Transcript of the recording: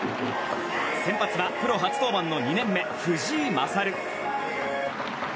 先発はプロ初登板の２年目、藤井聖。